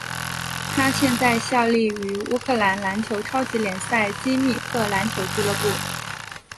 他现在效力于乌克兰篮球超级联赛基米克篮球俱乐部。